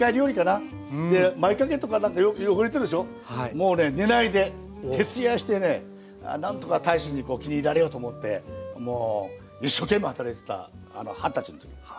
もうね寝ないで徹夜してね何とか大使に気に入られようと思ってもう一生懸命働いてた二十歳の時です。